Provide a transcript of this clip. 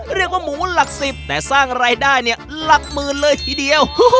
เรียกว่าหมูหลักสิบแต่สร้างรายได้เนี่ยหลักหมื่นเลยทีเดียว